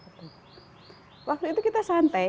waktu itu kita santai